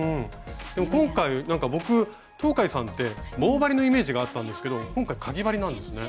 でも今回僕東海さんって棒針のイメージがあったんですけど今回かぎ針なんですね。